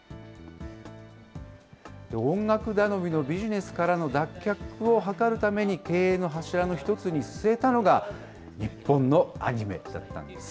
音楽頼みのビジネスからの脱却を図るために、経営の柱の一つに据えたのが、日本のアニメだったんです。